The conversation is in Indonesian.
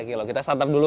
kita santap dulu